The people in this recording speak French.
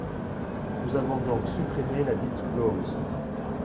Nous avons donc supprimé ladite clause.